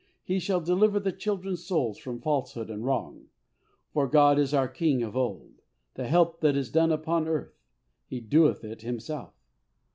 He shall deliver the children's souls from falsehood and wrong; for God is our King of old; the help that is done upon earth He doeth it Himself.